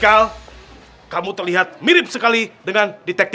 aku mau makan